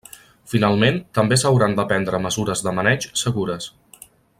Finalment, també s'hauran de prendre mesures de maneig segures.